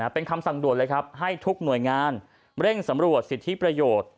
เป็นคำสั่งด่วนเลยครับให้ทุกหน่วยงานเร่งสำรวจสิทธิประโยชน์